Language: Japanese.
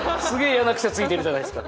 嫌な癖ついてるじゃないですか。